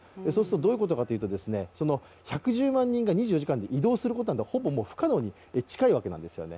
どういうことかというと、１１０万人が２４時間以内に移動することなんてほぼ不可能に近いわけなんですよね。